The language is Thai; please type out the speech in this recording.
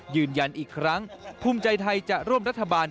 ยืนยันอีกครั้งภูมิใจไทยจะร่วมรัฐบาล